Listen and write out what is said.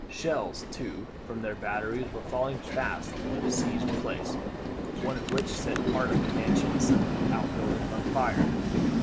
Shells, too, from their batteries, were falling fast into the besieged place, one of which set part of the mansion and some of the out buildings on fire.